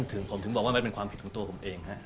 ถึงผมถึงบอกว่ามันเป็นความผิดของตัวผมเองฮะ